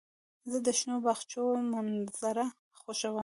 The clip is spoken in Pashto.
زه د شنو باغچو منظر خوښوم.